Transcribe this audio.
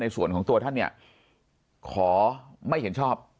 แล้วส่วนของตัวท่านเนี่ยขอมั๊ยเขียนชอบ